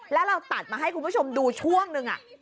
แล้วเราตัดมาให้คุณผู้ชมดูช่วงนึง